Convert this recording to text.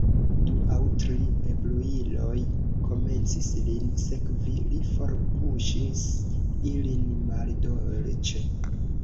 Du aŭ tri ebriuloj komencis, lin sekvi: li forpuŝis ilin maldolĉe.